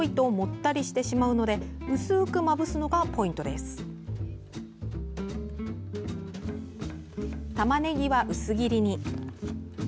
たまねぎは薄切りに。